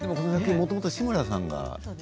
もともと志村さんが。